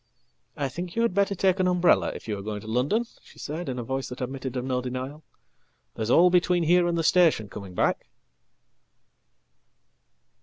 "I think you had better take an umbrella if you are going to London," shesaid in a voice that admitted of no denial. "There's all between here andthe station coming back."